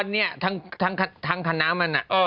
เนี่ยอีกวันนี้ทางคณะมันอ่ะ